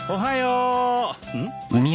うん？